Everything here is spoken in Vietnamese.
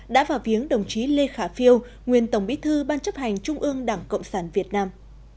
đã vào viếng đồng chí lê khả phiêu nguyên tổng bí thư ban chấp hành trung ương đảng cộng sản việt nam